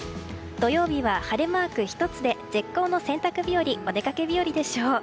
土曜日は晴れマーク１つで絶好の洗濯日和お出かけ日和でしょう。